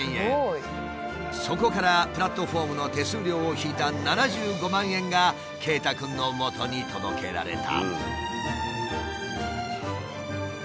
そこからプラットフォームの手数料を引いた７５万円が圭太くんのもとに届けられた。